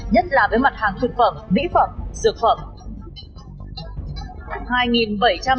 nhất là với mặt hàng thực phẩm mỹ phẩm dược phẩm